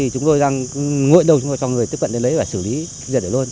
chúng tôi đang nguội đầu cho người tiếp cận để lấy và xử lý dần để luôn